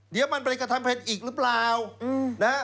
เหลือมันเปลี่ยนกระทำเพชรอีกฟะ